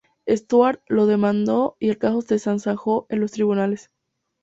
Stuart lo demandó y el caso se zanjó en los tribunales.